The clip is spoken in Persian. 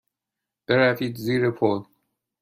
بروید زیر پل.